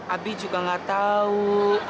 aby juga nggak tahu